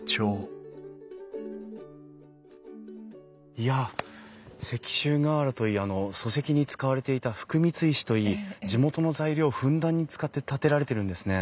いや石州瓦といい礎石に使われていた福光石といい地元の材料をふんだんに使って建てられてるんですね。